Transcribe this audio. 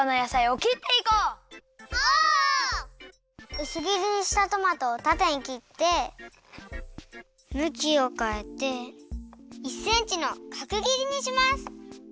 うす切りにしたトマトをたてに切ってむきをかえて１センチのかく切りにします。